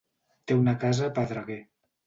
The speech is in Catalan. Té una casa a Pedreguer.